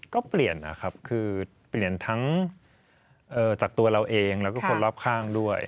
ก็เปลี่ยนนะครับคือเปลี่ยนทั้งจากตัวเราเองแล้วก็คนรอบข้างด้วย